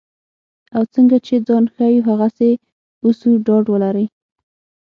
او څنګه چې ځان ښیو هغسې اوسو ډاډ ولرئ.